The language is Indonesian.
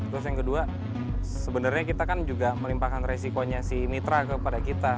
terus yang kedua sebenarnya kita kan juga melimpahkan resikonya si mitra kepada kita